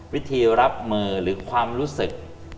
วิธีรับมือหรือความรู้สึก